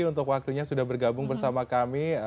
untuk waktunya sudah bergabung bersama kami